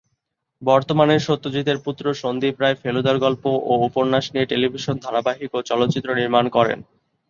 বর্তমানে সত্যজিতের পুত্র সন্দীপ রায় ফেলুদার গল্প ও উপন্যাস নিয়ে টেলিভিশন ধারাবাহিক ও চলচ্চিত্র নির্মাণ করেন।